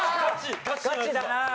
ガチだな！